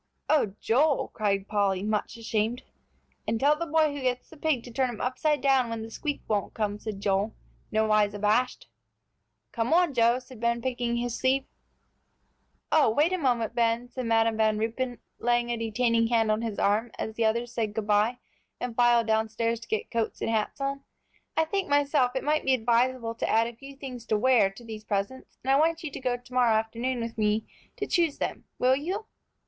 "Oh, Joel!" cried Polly, much ashamed. "And tell the boy who gets the pig to turn him upside down when the squeak won't come," said Joel, nowise abashed. "Come on, Joe," said Ben, picking his sleeve. "Oh, wait a moment, Ben," said Madam Van Ruypen, laying a detaining hand on his arm, as the others said good by and filed downstairs to get coats and hats on. "I think, myself, it might be advisable to add a few things to wear to these presents, and I want you to go to morrow afternoon with me to choose them. Will you?"